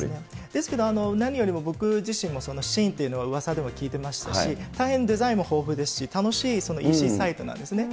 ですけど、何より僕自身もシーインというのはうわさでも聞いてましたし、大変デザインも豊富ですし、楽しいＥＣサイトなんですね。